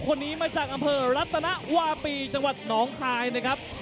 คนนี้มาจากอำเภอรัตนวาปีจังหวัดหนองคายนะครับ